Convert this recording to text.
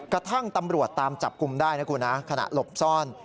กระทั่งตำรวจตามจับกลุ่มได้นะคุณนะขณะหลบซ่อน